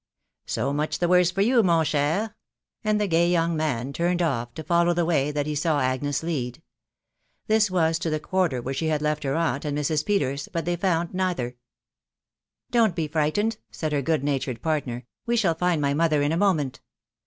" So much the worse for you, mon cher" and the gay young man turned off, to follow the way that he saw Agnes lead. This was to the quarter where she had left her aunt and Mrs. Peters, but they found neither. " Don't be frightened," said her good natured partner J " we shall find my mother in a moment."